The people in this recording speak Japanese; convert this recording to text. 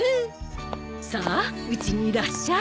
さあうちにいらっしゃい。